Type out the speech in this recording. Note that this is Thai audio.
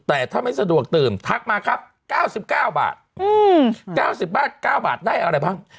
แต่ถ้าไม่สะดวกตื่นทักมาครับ๙๙บาท๙๐บาท๙บาทได้อะไรบ้าง